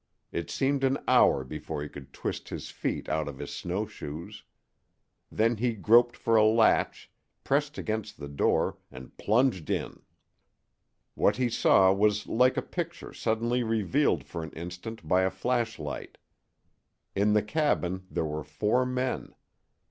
It seemed an hour before he could twist his feet out of his snow shoes. Then he groped for a latch, pressed against the door, and plunged in. What he saw was like a picture suddenly revealed for an instant by a flashlight. In the cabin there were four men.